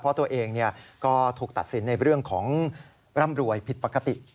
เพราะตัวเองก็ถูกตัดสินในเรื่องของร่ำรวยผิดปกติ